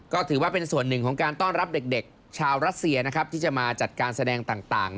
ก็ถือว่าเป็นส่วนหนึ่งของการต้อนรับเด็กชาวรัสเซียนะครับที่จะมาจัดการแสดงต่าง